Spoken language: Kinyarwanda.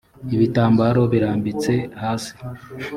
ibitambaro birambitse hasi.